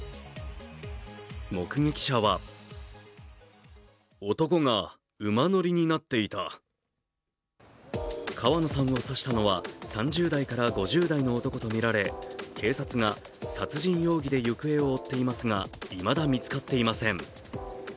目撃者は川野さんを刺したのは、３０代から５０代の男とみられ、警察が殺人容疑で行方を追っていますがいまだ見つかっていません。